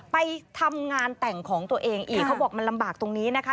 ไปทำงานแต่งของตัวเองอีกเขาบอกมันลำบากตรงนี้นะคะ